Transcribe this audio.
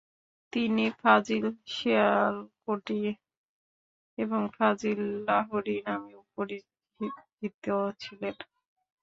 তিনি "ফাজিল শিয়ালকোটি" এবং "ফাজিল লাহোরি" নামেও পরিচিত ছিলেন।